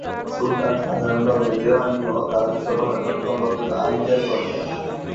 সুলতান সাধারণভাবে দেওয়ানিও রাজস্ব প্রশাসন সম্পর্কিত আইন জারি করতেন।